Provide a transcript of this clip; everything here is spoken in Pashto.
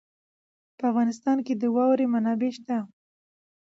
په افغانستان کې د واوره منابع شته.